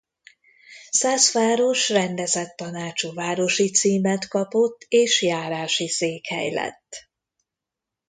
Szászváros rendezett tanácsú városi címet kapott és járási székhely lett.